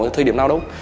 thời điểm nào đâu